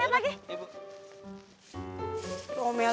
lo omelin mulu gue salah mulu